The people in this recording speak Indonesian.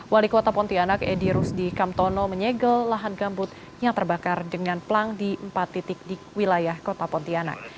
wali kota pontianak edi rusdi kamtono menyegel lahan gambut yang terbakar dengan pelang di empat titik di wilayah kota pontianak